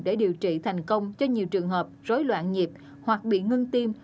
để điều trị thành công cho nhiều trường hợp rối loạn nhịp hoặc bị ngưng tim